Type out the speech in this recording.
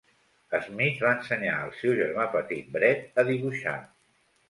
Smith va ensenyar al seu germà petit Bret a dibuixar.